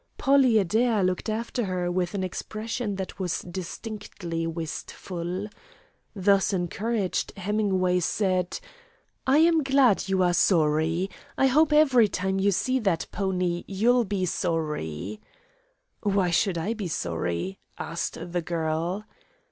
Polly Adair looked after her with an expression that was distinctly wistful. Thus encouraged, Hemingway said: "I'm glad you are sorry. I hope every time you see that pony you'll be sorry." "Why should I be sorry?" asked the girl.